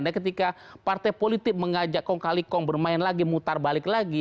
nah ketika partai politik mengajak kong kali kong bermain lagi mutar balik lagi